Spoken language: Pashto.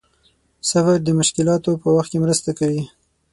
صبر د مشکلاتو په وخت کې مرسته کوي.